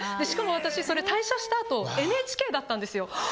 しかも私それ退社した後ＮＨＫだったんですよ。